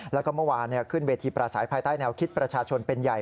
แล้วก็เมื่อวานขึ้นเวทีประสัยภายใต้แนวคิดประชาชนเป็นใหญ่